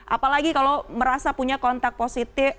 apalagi kalau merasa punya kontak positif